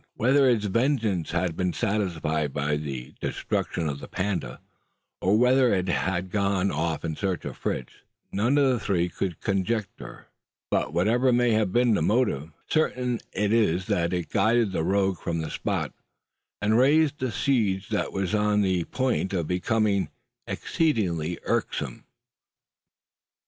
Whether its vengeance had been satisfied by the destruction of the panda, or whether it had gone off in search of Fritz, none of the three could conjecture; but whatever may have been the motive, certain it is that it guided the rogue from the spot, and raised a siege that was on the point of becoming exceedingly irksome.